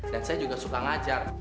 dan saya juga suka ngajar